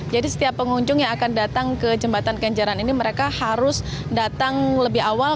jadi setiap pengunjung yang akan datang ke jembatan kenjaran ini mereka harus datang lebih awal